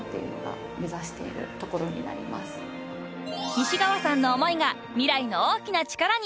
［西側さんの思いが未来の大きな力に］